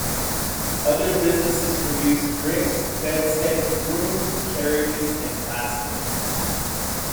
Other businesses produced bricks, bedsteads, brooms, carriages and plaster.